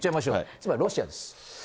つまりロシアです。